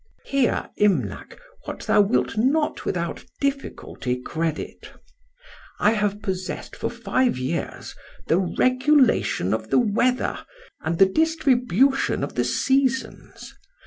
"'Hear, Imlac, what thou wilt not without difficulty credit. I have possessed for five years the regulation of the weather and the distribution of the seasons.